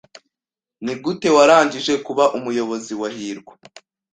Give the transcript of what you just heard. Nigute warangije kuba umuyobozi wa hirwa?